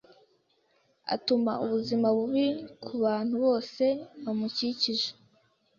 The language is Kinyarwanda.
Atuma ubuzima bubi kubantu bose bamukikije.